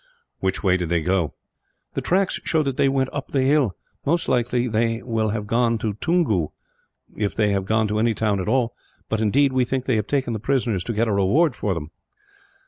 "Which way did they go?" "The tracks show that they went up the hill. Most likely they will have gone to Toungoo, if they have gone to any town at all; but indeed, we think they have taken the prisoners to get a reward for them."